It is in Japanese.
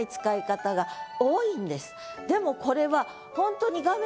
でもこれは。